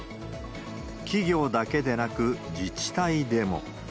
企業だけでなく、自治体でも。